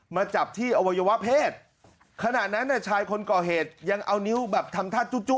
มาจับที่อวัยวะเพศขณะนั้นชายคนก่อเหตุยังเอานิ้วแบบทำท่าจุจุ้